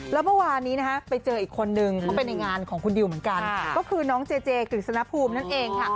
แล้วเมื่อวานนี้นะฮะไปเจออีกคนนึงเขาไปในงานของคุณดิวเหมือนกันก็คือน้องเจเจกฤษณภูมินั่นเองค่ะ